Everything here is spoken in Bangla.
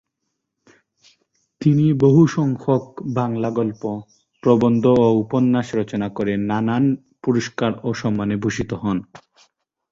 তিনি বহু সংখ্যক বাংলা গল্প, প্রবন্ধ ও উপন্যাস রচনা করে নানান পুরস্কার ও সম্মানে ভূষিত হন।